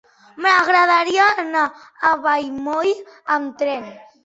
M'agradaria anar a Vallmoll amb tren.